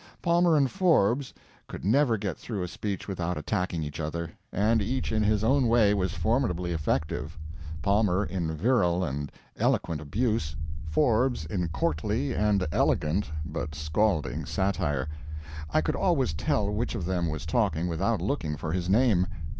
Palmer and Forbes could never get through a speech without attacking each other, and each in his own way was formidably effective Palmer in virile and eloquent abuse, Forbes in courtly and elegant but scalding satire. I could always tell which of them was talking without looking for his name.